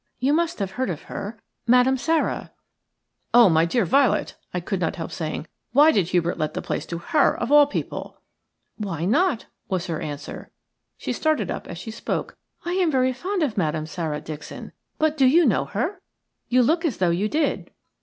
You must have heard of her – Madame Sara." "Oh, my dear Violet," I could not help saying, "why did Hubert let the place to her, of all people?" "Why not?" was her answer. She started up as she spoke, "I am very fond of Madame Sara, Dixon. But do you know her? You look as though you did."